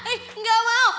eh enggak mau